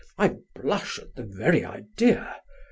I blush at the very idea.